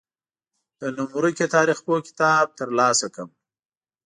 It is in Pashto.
د نوم ورکي تاریخپوه کتاب تر لاسه کړم.